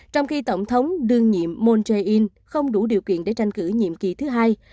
trong khi tổng thống đương nhiệm moon jae in không đủ điều kiện để tranh cử nhiệm kỳ thứ hai